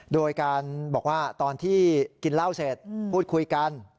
โดยการบอกว่าตอนที่กินเหล้าเสร็จพูดคุยกัน